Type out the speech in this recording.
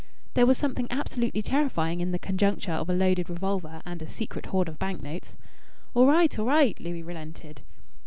There was something absolutely terrifying in the conjuncture of a loaded revolver and a secret hoard of bank notes. "All right! All right!" Louis relented.